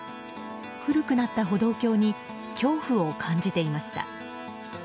古くなった歩道橋に恐怖を感じていました。